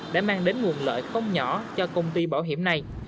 đã mang đến nguồn lợi không nhỏ cho công ty bảo hiểm này